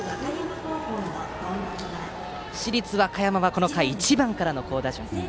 市立和歌山はこの回、１番からの好打順。